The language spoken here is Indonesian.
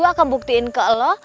dan gue akan buktiin ke lo